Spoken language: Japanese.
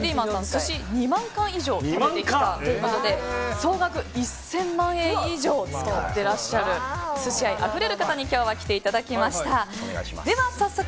寿司を２万回以上食べたということで総額１０００万円以上使っていらっしゃる寿司愛あふれる方に今日は来ていただきました。